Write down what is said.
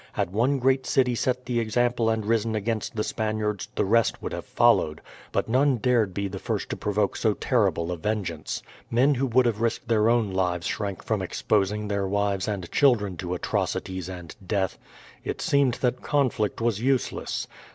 Had one great city set the example and risen against the Spaniards, the rest would have followed; but none dared be the first to provoke so terrible a vengeance. Men who would have risked their own lives shrank from exposing their wives and children to atrocities and death. It seemed that conflict was useless.